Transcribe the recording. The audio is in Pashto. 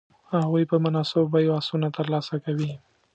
هغوی په مناسبو بیو آسونه تر لاسه کوي.